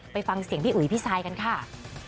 ไปฟังเสียงพี่อุ๋ยพี่ซายกันค่ะ